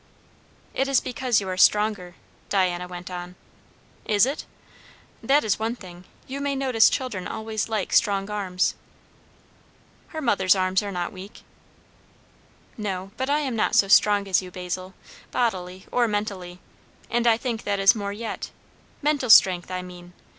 "It is because you are stronger," Diana went in. "Is it?" "That is one thing. You may notice children always like strong arms." "Her mother's arms are not weak." "No but I am not so strong as you, Basil, bodily or mentally. And I think that is more yet mental strength, I mean.